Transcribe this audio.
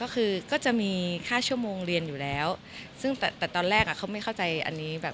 ก็จะมีค่าชั่วโมงเรียนอยู่แล้วแต่ตอนแรกเขาไม่เข้าใจอันนี้